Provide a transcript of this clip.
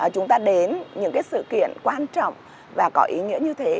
chúng ta đến những sự kiện quan trọng và có ý nghĩa như thế